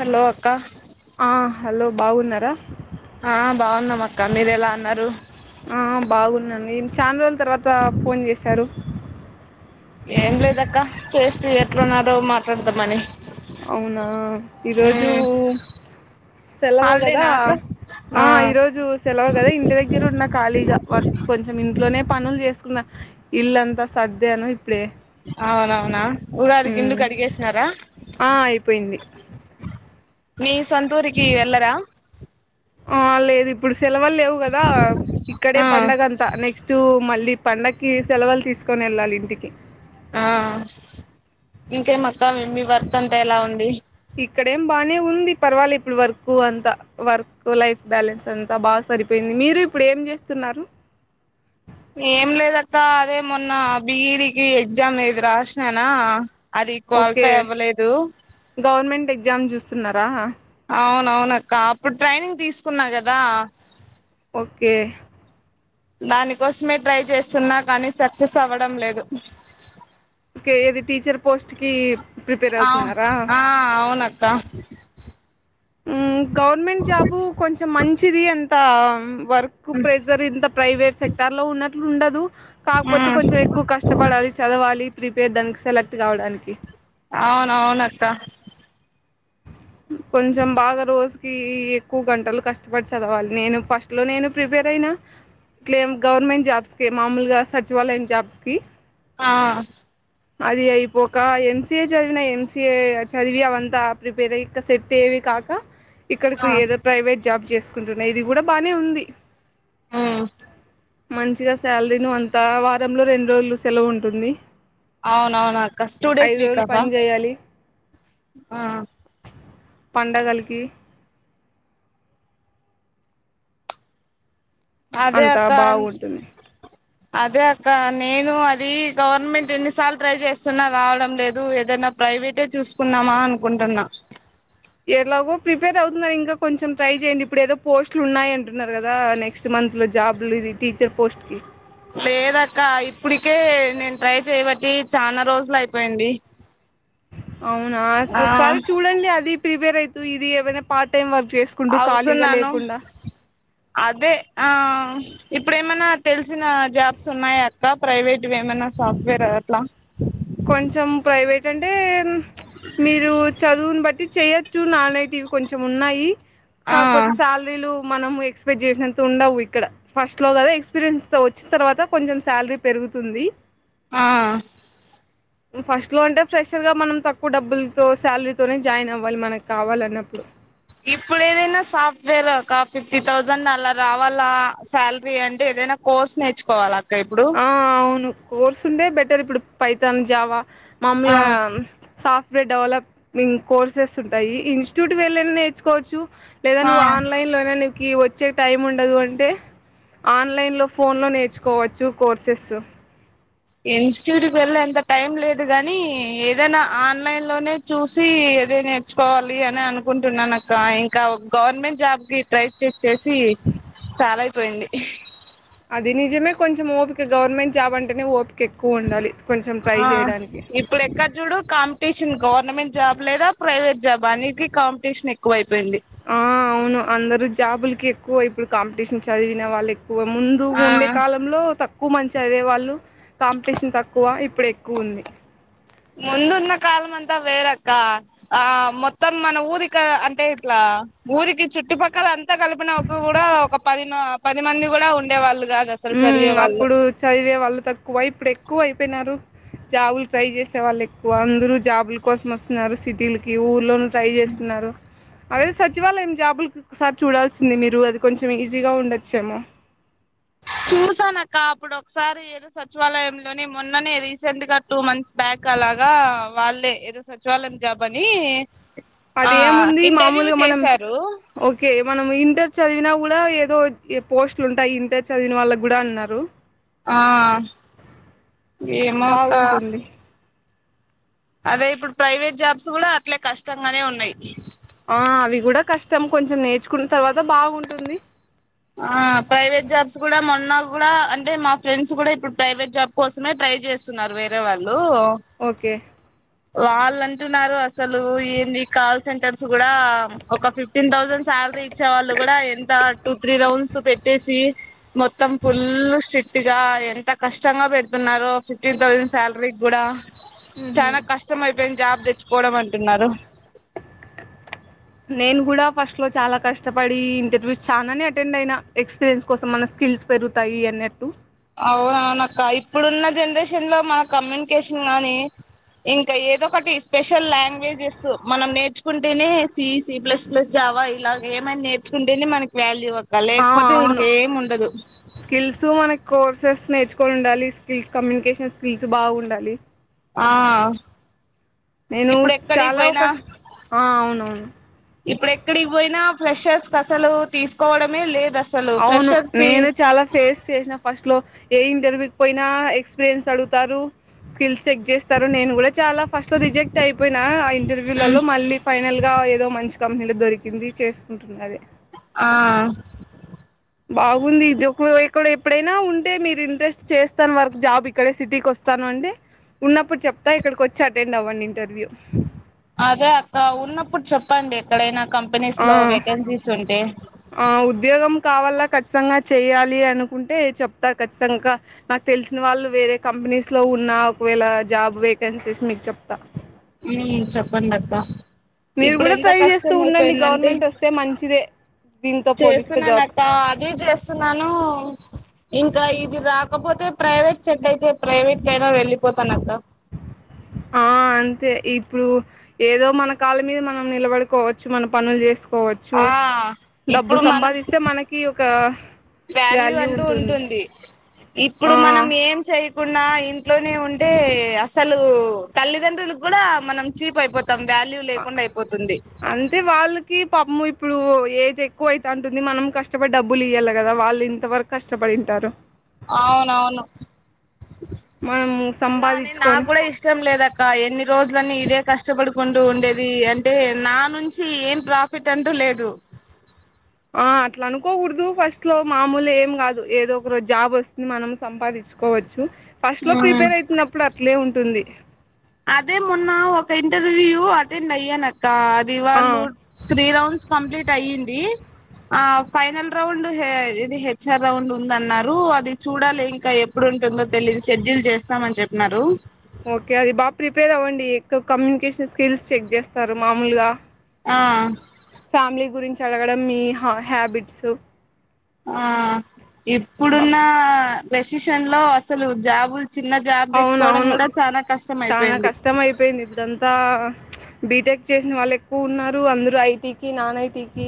Hello ఆ hello బాగున్నారా ఆ బాగున్నాం అక్క మీరు ఎలా ఉన్నారు ఆ బాగుందండి చానా రోజుల తర్వాత ఫోన్ చేశారు ఏం లేదక్క చేస్తి ఎట్లున్నారో మాట్లాడదామని అవునా ఈరోజు మ్మ్ సెలవ కదా హాలిడేనా అక్క ఆ ఈ రోజు సెలవు కదా ఇంటి దగ్గర ఉన్న ఖాళీగా వర్క్ కొంచెం ఇంట్లోనే పనులు చేసుకున్న ఇల్లంతా సర్దాను ఇప్పుడే అవునవునా ఉగాదికి ఇండ్లు ఉమ్ కడిగేసినారా? ఆ అయిపోయింది మీ సొంతూరికి ఏళ్ళరా? ఆ లేదు ఇప్పుడు సెలవులు లేవు కదా ఇక్కడే ఆ పండగ అంతా నెక్స్ట్ మళ్ళీ పండకి సెలవులు తీసుకొని వెళ్ళాలి ఇంటికి ఆ ఇంకే మక్కా మీ వర్క్ అంత ఎలా ఉంది. ఇక్కడేం బానే ఉంది పర్వాలే ఇప్పుడు వర్కు అంతా వర్క్ లైఫ్ బ్యాలెన్స్ అంతా బా సరిపేయింది మీరు ఇప్పుడు ఏం చేస్తున్నారు. ఏం లేదక్కా అదే మొన్న బి ఈ డి కి ఎగ్జామ్ ఇది రాసినానా అది ఓకే క్వాలిఫై అవ్వలేదు. సున్నారా? అవునవునక్క అప్పుడు ట్రైనింగ్ తీసుకున్నా కదా. ఓకే దానికోసమే ట్రై చేస్తున్నా కానీ సక్సెస్ అవ్వడం లేదు. ఓకే ఏది టీచర్ పోస్ట్కి ఆ ఆ అవునక్క ఉమ్ గవర్నమెంట్ జాబు కొంచెం మంచిది అంత వర్క్ ప్రెజర్ ఇంత ప్రైవేట్ సెక్టర్ లో ఉన్నట్లు ఉండదు. కాకపోతే కొంచెం ఎక్కువ కష్టపడాలి. చదవాలి ప్రిపేర్ దానికి సెలెక్ట్ కావడానికి అవును అవునక్క కొంచెం బాగా రోజుకి ఎక్కువ గంటలు కష్టపడి చదవాలి. నేను ఫస్ట్లో నేను ప్రిపేర్ అయినా క్లెమ్ గవర్నమెంట్ జాబ్స్కి మామూలుగా సచివాలయం జాబ్స్కి ఆ అది అయిపోకా ఎమ్ సీ ఏ చదివిన ఎమ్ సి ఏ చదివి అవంతా ప్రిపేరయి ఇగ సెట్ ఏవి కాక ఇక్కడకి ఏదో ప్రైవేట్ జాబ్ చేసుకుంటున్నా ఇది కూడా బానే ఉంది. ఊ మంచిగా శాలరీను అంతా వారంలో రెండు రోలు సెలవు ఉంటుంది. అవునవునా అక్క స్ టూ డేస్ ఐదు రోజులు వీకాఫ్ పని చేయాలి ఆ పండగలికి అదే అంతా అక్క అన్ బాగుంటుంది అదే అక్క నేను అది గవర్నమెంట్ ఎన్నిసార్లు ట్రై చేస్తున్నా రావడం లేదు. ఏదైనా ప్రైవేటే చూసుకున్నామా అనుకుంటున్నా ఎలాగో ప్రిపేర్ అవుతున్నారు ఇంకా కొంచెం ట్రై చేయండి ఇప్పుడు ఏదో పోస్ట్లు ఉన్నాయి అంటున్నారు కదా నెక్స్ట్ మంత్ లో జాబ్లిది టీచర్ పోస్ట్కి లేదక్క ఇప్పుటికే నేను ట్రై చేయబట్టి చానా రోజులు అయిపోయింది. అవునా ఆ ఒకసారి చూడండి. అది ప్రిపేర్ అయితు ఇది ఏవైనా పార్ట్ టైమ్ వర్క్ చేసుకుంటూ ఖాళీగా అవుతున్నాను లేకుండా అదే ఆ ఇప్పుడు ఏమైనా తెలిసిన జాబ్స్ ఉన్నాయా అక్క ప్రైవేట్ వే ఏమన్నా సాఫ్ట్వేర్ అట్లా కొంచెం ప్రైవేట్ అంటే మ్చ్ మీరు చదువుని బట్టి చేయొచ్చు నానైటివి కొంచెం ఉన్నాయి. ఆ కాకపోతే శాలరీలు మనం ఎక్స్పెక్ట్ చేసినంత ఉండవు. ఇక్కడ ఫస్ట్ లో కదా ఎక్స్పీరియన్స్ తో వచ్చి తర్వాత కొంచెం శాలరీ పెరుగు తుంది. ఆ ఫస్ట్ లో అంటే ఫ్రెషర్ గా మనం తక్కువ డబ్బులతో శాలరీతోనే జాయిన్ అవ్వాలి. మనకు కావాల అన్నప్పుడు ఇప్పుడు ఏదైనా సాఫ్ట్వేర్ ఒక ఫిఫ్టీ థౌజండ్ అలా రావాలా శాలరీ అంటే ఏదైనా కోర్స్ నేర్చుకోవాల ఇప్పుడు ఆ అవును కోర్స్ ఉండే బెటర్ ఇప్పుడు ఫైతాన్ జావా ఆ మామూలుగా సాఫ్ వేర్ డెవలమింగ్ కోర్సెస్ ఉంటాయి ఇన్స్టిట్యూట్ వెళ్ళైనా నేర్చుకోవచ్చు లేదా ఆ నువ్వు ఆన్లైన్ లో నైన నీకు కి వచ్చే టైం ఉండదు అంటే ఆన్లైన్లో ఫోన్లో నేర్చుకోవచ్చు కోర్సెసు ఇన్స్టిట్యూట్ కు వెళ్ళే అంత టైం లేదు గాని ఏదైనా ఆన్లైన్ లోనే చూసి ఏదే నేర్చుకోవాలి అని అనుకుంటున్నాను అక్క ఇంకా గవర్నమెంట్ జాబ్ కి ట్రై చేసి చ్చేసి చాలయిపోయింది అది నిజమే కొంచెం ఓపిక గవర్నమెంట్ జాబ్ అంటేనే ఓపి ఆ ఇప్పుడు ఎక్కడ చూడు కాంపిటీషన్ గవర్నమెంట్ జాబ్ లేదా ప్రైవేట్ జాబ్ అన్నిటికి కాంపిటీషన్ ఎక్కువై ఆ అవును అందరు జాబులుకి ఎక్కువ ఇప్పుడు కాంపిటీషన్ చదివిన వాళ్ళే ఎక్కువే ముందు ఆ ఉండే కాలంలో తకు ఎక్కువ మంచి చదివే వాళ్ళు కాంపిటీషన్ తక్కువ ఇప్పుడు ఎక్కువుంది. ముందున్న కాలం అంతా వేరక్క ఆ మొత్తం మన ఊరిక అంటే ఇట్లా ఊరికి చుట్టుపక్కల అంతా కలిపినక కూడా ఒక పది పది మంది కూడా ఉండేవాళ్ళు కాదు అసలు చదివే ఉమ్మ్ వాళ్ళు అప్పుడు చదివే వాళ్ళు తక్కువ ఇప్పుడు ఎక్కువ అయిపోయినారు జాబులు ట్రై చేసే వాళ్ళు ఎక్కువ అందరు జాబులు కోసం వస్తున్నారు సిటీలకి ఊర్లో ట్రై చేస్తున్నారు అదే సచివాలయం జాబులకి ఒకసారి చూడాల్సింది మీరు అది కొంచెం ఈజీగా ఉండచ్చేమో చూసానక్క అప్పుడు ఒకసారి ఏదో సచివాలయంలోనే మొన్ననే రీసెంట్ గా టూ మంత్స్ బ్యా క్ అలాగా వాళ్ళే ఏదో సచివాలయం జాబ్ అని ఆ అదేముంది ఇంటర్వ్యూ మామూలుగా మనం చేశారు ఓకే మనం ఇంటర్ చదివినా కూ కూడా ఏదో పోస్ట్లు ఉంటాయి ఇంటర్ చదివిన వాళ్ళ గూడా అన్నారు ఆ ఏమో అక్క బాగుంటుంది అదే ఇప్పుడు ప్రైవేట్ జాబ్స్ కూడా అట్లే కష్టంగానే ఉన్నాయి ఆ అవి కూడా కష్టం కొంచెం నేర్చుకున్న తర్వాత బాగుంటుంది ఆ ప్రైవేట్ జాబ్స్ కూడా మొన్న కూడా అంటే మా ఫ్రెండ్స్ కూడా ఇప్పుడు ప్రైవేట్ జాబ్ కోసమే ట్రై చేస్తున్నారు వేరే వాళ్ళు ఓకే వాళ్ళు అంటున్నారు అసలు ఏంది కాల్ సెంటర్స్ కూడా ఒక ఫిఫ్టీన్ థౌసండ్ సా సాలరీ ఇచ్చే వాళ్ళు కూడా ఎంత టూ త్రీ రౌండ్స్ పెట్టేసి మొత్తం ఫుల్ స్టి క్ట్ గా ఎంత కష్టంగా పెడుతున్నారో ఫిఫ్టీన్ థౌసండ్ సాలరీ కూడా ఉహు చాలా కష్టం అయిపోయింది జాబ్ తెచ్చుకోవడం అంటున్నారు నేను కూడా ఫస్ట్ లో చాలా కష్టపడి ఇంటర్వ్యూస్ చానానే అటెండ్ అయిన ఎక్స్పీరియన్స్ కోసం మనెస్ స్కిల్స్ పెరుగుతాయి అన్నట్టు అవునవునక్క ఇప్పుడున్న జనరేషన్ లో మన కమ్యూనికేషన్ గానీ ఇంకా ఏదో ఒకటి స్పెషల్ లాంగ్వేజెస్ మనం నేర్చుకుంటేనే C C plus plus Java నవా ఇలాగే ఏమైన నేర్చుకుంటేనే మనకి వాల్యూ అక్క ఆ లేకపోతే అవును ఇంకేం ఉండదు స్కిల్స్ మనకు కో సక్సెస్ నేర్చుకోనుండాలి స్కిల్స్ కమ్యూనికేషన్ స్కిల్స్ బాగుండాలి ఆ నేను ఇప్పుడు ఎక్కడికి చాలా పోయిన ఒక ఆ అవునవును ఇప్పుడు ఎక్కడికి పోయినా ఫ్లేషర్స్ కు అసలు తీసుకోవడమే లేద అవును నేను చాల ఫేస్ చేసిన ఫస్ట్ లో ఏ ఇంటర్వ్యూ కు పోయినా ఎక్స్పీరియన్స్ అడుగుతారు స్కిల్స్ చెక్ చేస్తారు నేను కూడా చాలా ఫస్ట్ లో రిజెక్ట్ అయిపోయినా ఇన్ మ్ ఇంటర్వ్యూలల్లో మళ్ళీ ఫైనల్ గా ఏదో మంచి కంపెనీలో దొరికింది చేసుకుంటున్న అదే ఆ బాగుంది ఇది ఒకో ఎక్కడ ఎప్పుడైనా ఉంటే మీరు ఇంట్రెస్ట్ చేస్తాను వర్క్ జాబ్ ఇక్కడ సిటీకి కోస్తాను అంటే ఉన్నప్పుడు చెప్తా ఇక్కడికి వచ్చి అటెండ్ అవ్వండి ఇంటర్వ్యూ అదే అక్క ఉన్నప్పుడు చెప్పండి ఎక్కడైనా కంపెనీస్ ఆ! లో వేకెన్సీస్ ఉంటే ఆ ఉద్యోగం కావాలా ఖచ్చితంగా చెయాలి అనుకుంటే చెప్తా ఖచ్చితంగా నాకు తెలిసిన వాళ్ళు వేరే కంపెనీస్ లో ఉన్నా ఒకవేళ జాబ్ వేకెన్సీస్ మీకు చెప్తా ఉ చెప్పండి అక్క మీరు ఇప్పుడు కూడా ఎంత ట్రై చేస్తూ కష్టం ఉండండి అయిపోయిందంటే గవర్నమెంట్ వస్తే మంచిదే దీంతో పోలిస్తే గ చేస్తున్నాను అక్క అది చేస్తున్నాను ఇంక ఇది రాకపోతే ప్రైవేట్ సెట్ అయితే ప్రైవేట్ కైనా వెళ్ళిపోతాన అక్క ఆ అంతే ఇప్పుడు ఏదో మన కాళ్ళ మీద మనం నిలబడుకోవచ్చు మన పనులు చేసుకో పోవచ్చు ఆ డబ్బు ఇప్పుడు మనం సంపాదిస్తే మనకి ఒక వాల్యూ ఉంటుంది ఇప్పుడు ఆ మనం ఏం చేయకుండా ఇంట్లోనే ఉం అంటే అసలు తల్లిదండ్రులు కూడ మనం చీప్ అయిపోతుం తమ్ వాల్యూ లేకుండా అయిపోతుంది అంతే వాళ్ళకి పాపము ఇప్పుడు ఏజ్ ఎక్కువ ఐత అంటుంది మనం కష్టపడి డబ్బులు ఇయ్యాల కదా వాళ్ళు ఇంత వరకు కష్టపడి వింటారు అవునవును మనము అలానే నా సంపాదించుకొని కూడా ఇష్టం లేదక్క ఎన్ని రోజులని ఇదే కష్టపడుకుం అంటూ ఉండేది అంటే నా నుంచి ఏం ప్రాఫిట్ అంటూ లేదు ఆ అట్లా అనుకోకూడదు ఫస్ట్ లో మామూలే ఏం కాదు ఏదో ఒక రోజు జాబ్ వస్తుంది మనం సంపాదిిం చ్చుకోవచ్చు ఫస్ట్ లో ప్రిపేర్ అవుతున్నప్పుడు అట్లే ఉంటుంది అదే మొన్న ఒక ఇంటర్వ్యూ అటెండ్ అయ్యాను అక్క అ అది ఆ వాళ్ళు త్రీ రౌండ్స్ కంప్లీట్ అయ్యింది ఆ ఫైనల్ రౌండ్ ఇది హెచ్ఆర్ రౌండ్ ఉందన్నారు అది చూడాలి ఇంకా ఎప్పుడు ఎప్పుడు ఉంటుందో తెలిదు షెడ్యూల్ చేస్తామని చెప్పిన్నారు ఓకే అది బాగా ప్రిపేర్ అవ్వండి ఎక్కువ కమ్యూనికేషన్ స్కిల్స్ చెక్ చేస్తారు మామూలుగా ఆ ఫ్యామిలీ గురించి అడగడం మీ హా హ్యాబిట్స్ ఆ బా ఇప్పుడున్న డెసిషన్ లో అసలు జాబు అవునవును చానా అయిపోయింది కష్టం అయిపోయింది ఇప్పుడంతా బీటెక్ చేసిన వాళ్ళు ఎక్కువ ఉన్నారు అందరూ ఐటీకి నాన్ ఐటీకి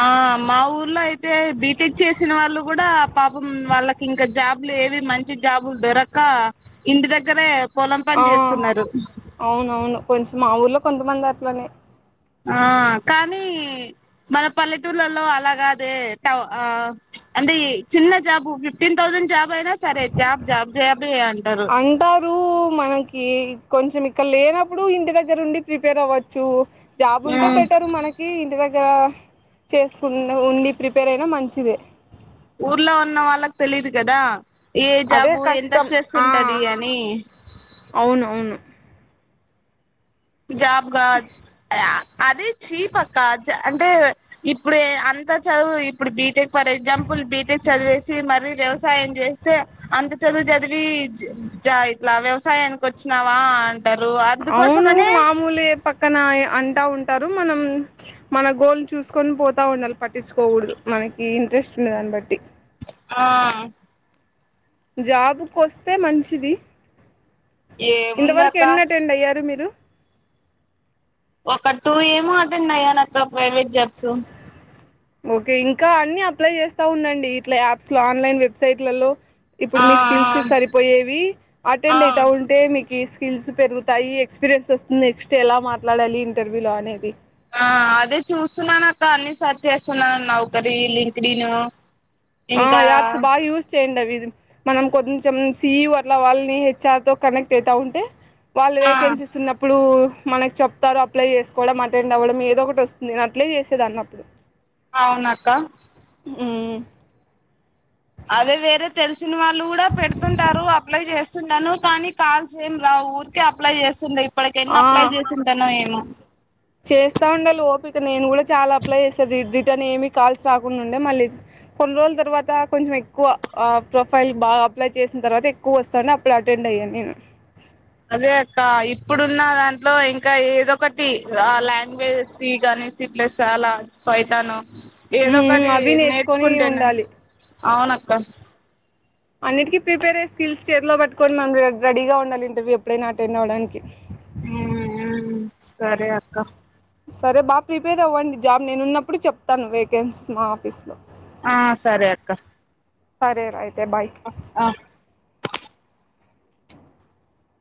ఆ మా ఊర్లో అయితే బీటెక్ చేసిన వాళ్ళు గుడా పాపం వాళ్ళకి ఇంకా జాబ్ ఏది మంచి జాబులు దొరక ఇంటి దగ్గరే పొలం ఆ పని చేస్తున్నారు అవునవును కొంచెం మా ఊర్లో కొంతమంది అట్లనే ఆ కానీ మన పల్లెటూర్లలో అలాగాదే టవ్ అ అంటే చిన్న జాబు ఫిఫ్టీన్ థౌజండ్ జాబ్ జాబ అయినా సరే జాబ్ జాబ్ జాబే అంటారు అంటారు మనకి కొంచెం ఇక్కడ లేనప్పుడు ఇంటి దగ్గర ఉండి ప్రిపేర్ అవ్వచ్చు జాబ్ ఉంటే ఉమ్ బెటర్ మనకి ఇంటి దగ్గ దగ్గర చేసుకు ఉండి ప్రిపేర్ అయినా మంచిదే ఊర్లో ఉన్న వాళ్ళకి తెలీదు కదా ఏ అదే జాబు ఎంత కష్టం స్ట్రెస్ ఆ ఉంటది అని అవునవును జాబ్గా అదే చీపక్క అంటే ఇప్పుడే అంతా చదువు ఇప్పుడు బీటెక్ ఫర్ ఎగ్జాంపుల్ బీటెక్ చదివేసి మర వ్యవసాయం చేస్తే అంత చదువు చదివి ఇట్లా వ్యవసాయానికి వచ్చినావా అ అంటారు అందుకోసం నువ్వు మామూలే పక్కన అంటా ఉంట రు మనం మన గోల్ చూసుకొని పోతా ఉండాలి పట్టించుకోకూడదు మనకి ఇంట్రెస్ట్ ఉండే దాన్ని బట్టి ఆ జాబుకొస్తే మంచిది ఇంతవరకు ఏముందక్క ఎన్ని అటెండ్ అయ్యారు మీరు ఒక టూ ఏమో అటండ్ అయ్యానక్క ప్రైవేట్ జాబ్స్ ఓకే ఇంకా అన్ని అప్లై చేస్తా ఉండండి ఇట్లా యాప్స్ లో ఆన్లైన్ వెబ్సైట్లలో ఇప్పుడు ఆ మీ స్కిల్స్ సరిపోయేవి ఆ అటెండ్ అయితా ఉంటే మీకు స్కిల్స్ పెరుగుతాయి ఎక్స్పీరియన్స్ వస్తుంది నెక్స్ట్ ఎలా మాట్లాడాలి ఇంటర్వ్యూ లో అనేది ఆ అదే చూస్తున్నాను అక్క అన్ని సర్చ్ చేస్తున్నాను నౌకరీ లింక్డను ఆ యాప్స్ బాగా యూస్ చెయ్యండి అవి ఇ మనం కొంచెం సిఈ ఓ వాళ్ళని హెచ్ఆర్ తో కనెక్ట్ అవుతా ఉంటే వాళ్ళు ఆ వేకెన్సీస్ ఉన్నప్పుడు మనకి చెప్తారు అప్లై చేసుకోవడం అటెండ్ అవ్వడం ఏదో ఒకటి వస్తుంది అట్లే చేసేది అన్నప్పుడు అవునాక్క ఆ అదే వేరె తెలిసిన వాళ్ళు కూడా పెడుతుంటారు అప్లై చేస్తుంటాను కానీ కాల్స్ ఏం రావు ఊరికే అప్లై చేస్తుండే ఇప్పటికి ఎన్ని ఆ అప్లై చేసింటానో ఏమో చేస్తా ఉండేల ఓపిగా ఇక్క నేను కూడా చాలా అప్లై చేసాను రిటర్న్ ఏమి కాల్స్ రాకుండా ఉండే మళ్ళీ కొన్ని రోజుల తర్వాత కొంచెం ఎక్కువ ప్రొఫైల్ బాగా అప్లై చేసిన తర్వాత ఎక్కువ వస్తా అప్పుడు అ ఉండయ నేను అదే అక్క ఇప్పుడున్న దాంట్లో ఇంకా ఏదో ఒకటి ఆ లాంగ్వేజ్ సే కానీ పైథాన్ చాలా పయితాను ఏదో మ్మ్ ఒకటి అవి నేర్చుకొని నేర్చుకుంటేనే ఉండాలి అవునక్క అన్నిటికీ ప్రిపేర్ అయ్యే స్కిల్స్ చేతిలో పట్టుకొని మనం రెడీగా ఉండాలి ఇంటర్వ్యూ ఎప్పుడైనా అటెండ్ అవ్వడానికి హ ఉమ్ సరే అక్క సరే బాగా ప్రిపేర్ అవ్వండి జాబ్ నేను ఉన్నప్పుడు చెప్తాను వేకెన్సీస్ మా ఆఫీస్ లో ఆ సరే అక్క సరేయితే ఆ